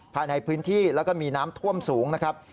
ภายในพื้นที่แล้วก็มีน้ำท่วมสูงนะครับ